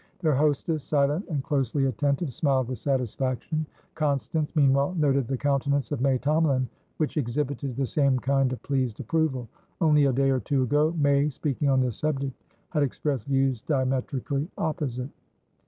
Their hostess, silent and closely attentive, smiled with satisfaction. Constance, meanwhile, noted the countenance of May Tomalin, which exhibited the same kind of pleased approval. Only a day or two agoMay, speaking on this subject, had expressed views diametrically opposite.